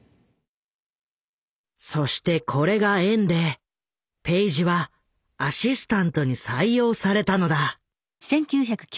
そしてこれが縁でペイジはアシスタントに採用されたのだ。